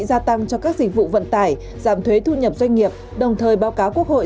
gia tăng cho các dịch vụ vận tải giảm thuế thu nhập doanh nghiệp đồng thời báo cáo quốc hội